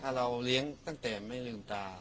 ถ้าเราเลี้ยงตั้งแต่ไม่ลืมตา